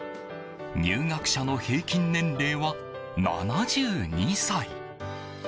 入学者の平均年齢は７２歳。